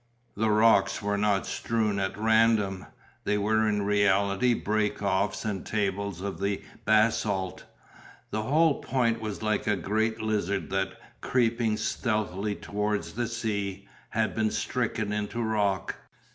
The rocks were not strewn at random, they were in reality breaks off and tables of the basalt; the whole point was like a great lizard that, creeping stealthily towards the sea, had been stricken into rock.